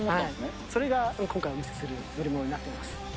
それが今回お見せする乗り物になってます。